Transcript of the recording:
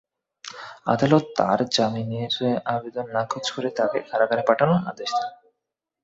আদালত তাঁর জামিনের আবেদন নাকচ করে তাঁকে কারাগারে পাঠানোর আদেশ দেন।